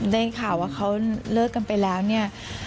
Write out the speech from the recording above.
ได้ข่าวว่าเขาเลิกกันไปแล้วเนี่ย